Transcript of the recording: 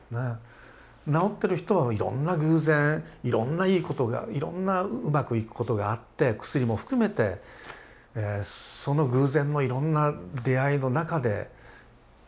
治ってる人はいろんな偶然いろんないいことがいろんなうまくいくことがあって薬も含めてその偶然のいろんな出会いの中でたまたまよくいってる。